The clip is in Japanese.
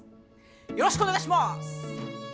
よろしくお願いします！